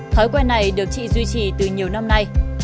thói quen này được chị duy trì từ nhiều năm nay